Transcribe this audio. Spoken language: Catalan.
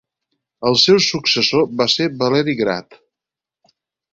El seu successor va ser Valeri Grat.